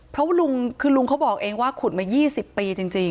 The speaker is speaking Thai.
เพราะว่าลุงคือลุงเขาบอกเองว่าขุดมา๒๐ปีจริง